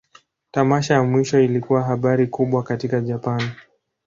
Tamasha ya mwisho ilikuwa habari kubwa katika Japan.